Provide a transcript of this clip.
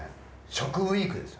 食ウィークです。